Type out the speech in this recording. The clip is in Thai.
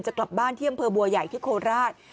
จะกลับบ้านเที่ยงเผอบัวใหญ่ที่โคลรส